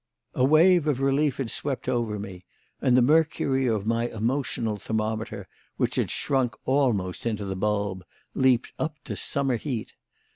A wave of relief had swept over me, and the mercury of my emotional thermometer, which had shrunk almost into the bulb, leaped up to summer heat.